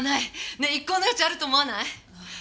ねえ一考の余地はあると思わない？